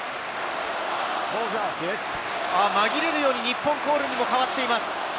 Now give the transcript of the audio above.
紛れるように日本コールにも変わっています。